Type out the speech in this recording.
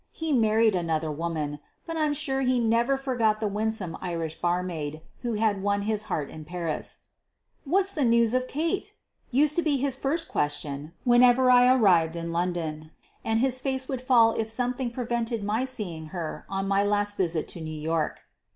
He married another woman, but I am sure he never forgot the winsome Irish barmaid who QUEEN OF THE BURGLARS 4? had won his heart in Paris. "What's the news or Kate?" used to be his first question whenever I arrived in London, and his face would fall if some thing prevented my seeing her on my last visit to New York.